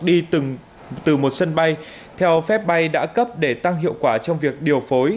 đi từ một sân bay theo phép bay đã cấp để tăng hiệu quả trong việc điều phối